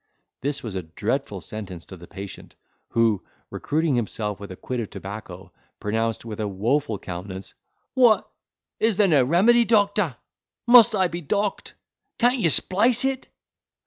This was a dreadful sentence to the patient, who, recruiting himself with a quid of tobacco, pronounced with a woful countenance, "What! is there no remedy, doctor! must I be dock'd? can't you splice it?"